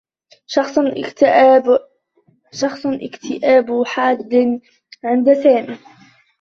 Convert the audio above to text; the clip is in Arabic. شُخّص اكتئاب حادّ عند سامي.